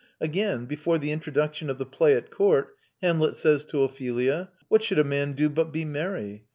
Again, before the introduction of the play at court, Hamlet says to Ophelia: "What should a man do but be merry?